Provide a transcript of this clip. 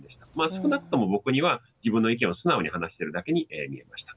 少なくとも僕には自分の意見を素直に話しているだけに見えました。